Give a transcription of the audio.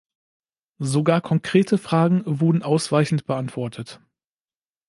Sogar konkrete Fragen wurden ausweichend beantwortet.